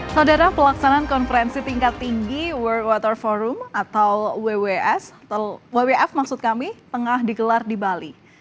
saudara pelaksanaan konferensi tingkat tinggi world water forum atau wwf maksud kami tengah digelar di bali